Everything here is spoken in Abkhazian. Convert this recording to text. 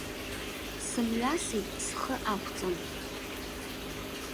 Сымҩасит схы ақәҵан.